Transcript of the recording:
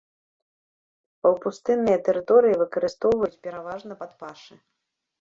Паўпустынныя тэрыторыі выкарыстоўваюць пераважна пад пашы.